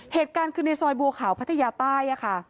เหตุการณ์คือในซอยบัวขาวพัทยาใต้ค่ะ